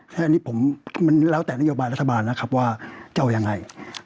อันนี้ผมมันแล้วแต่นโยบายรัฐบาลนะครับว่าจะเอายังไง